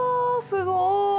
すごい！